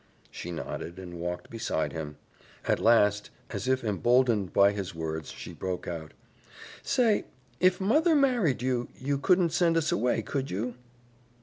She nodded and walked beside him. At last, as if emboldened by his words, she broke out, "Say, if mother married you, you couldn't send us away, could you?"